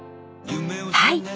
はい。